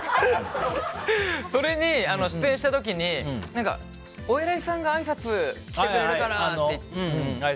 それに出演した時にお偉いさんがあいさつ来てくれるからって。